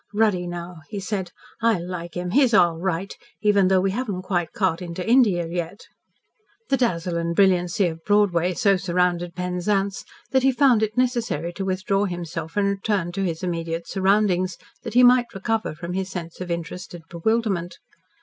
"Ruddy, now," he said; "I like him. He's all right, even though we haven't quite caught onto India yet." The dazzle and brilliancy of Broadway so surrounded Penzance that he found it necessary to withdraw himself and return to his immediate surroundings, that he might recover from his sense of interested bewilderment.